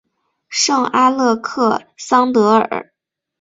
圣阿勒克桑德尔。